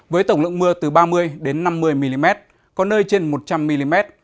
với tổng lượng mưa từ ba mươi năm mươi mm có nơi trên một trăm linh mm